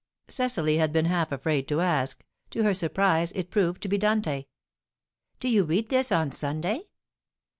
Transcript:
Cecily had been half afraid to ask; to her surprise it proved to be Dante. "Do you read this on Sunday?"